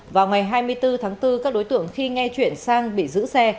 vào ngày hai mươi bốn tháng bốn các đối tượng khi nghe chuyển sang bị giữ xe